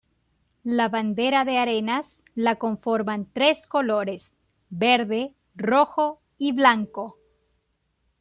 La Bandera de Arenas la conforman tres colores Verde, Rojo y Blanco.